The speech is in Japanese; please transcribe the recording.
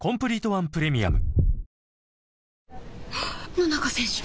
野中選手！